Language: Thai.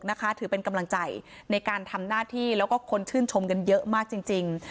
ถือเป็นกำลังใจในการทำหน้าที่แล้วก็คนชื่นชมกันเยอะมากจริง